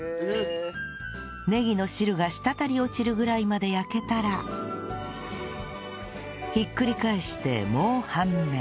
ねぎの汁が滴り落ちるぐらいまで焼けたらひっくり返してもう半面